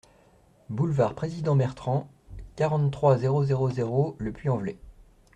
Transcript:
Boulevard Président Bertrand, quarante-trois, zéro zéro zéro Le Puy-en-Velay